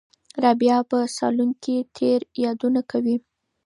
رابعه په صالون کې تېر یادونه کوي.